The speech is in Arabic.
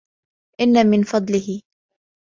إنَّ مِنْ فَضْلِهِ